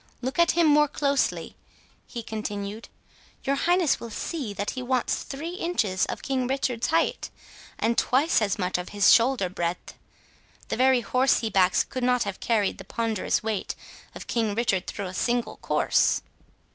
—Look at him more closely," he continued, "your highness will see that he wants three inches of King Richard's height, and twice as much of his shoulder breadth. The very horse he backs, could not have carried the ponderous weight of King Richard through a single course."